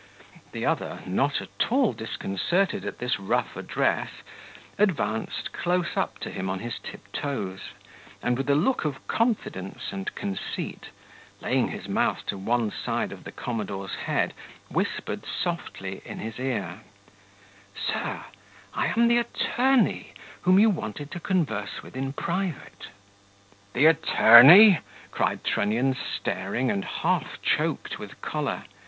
The other, not at all disconcerted at this rough address, advanced close up to him on his tiptoes, and, with a look of confidence and conceit, laying his mouth to one side of the commodore's head, whispered softly in his car, "Sir, I am the attorney whom you wanted to converse with in private." "The attorney?" cried Trunnion, staring, and half choked with choler.